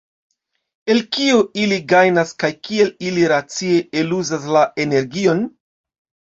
El kio ili gajnas kaj kiel ili racie eluzas la energion?